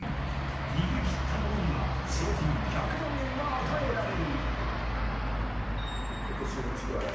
［逃げ切った者には賞金１００万円が与えられる］